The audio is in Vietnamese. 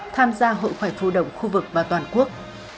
tham gia hội khỏe phụ đồng khu vực và toàn quốc